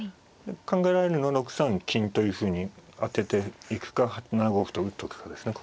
考えられるのは６三金というふうに当てていくか７五歩と打っとくかですね